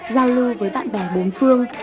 giao lưu với bạn bè bốn phương